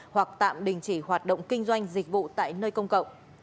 hoặc tạm đình chỉ hoạt động kinh doanh dịch vụ tại nơi công cộng